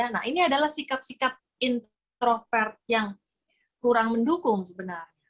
nah ini adalah sikap sikap introvert yang kurang mendukung sebenarnya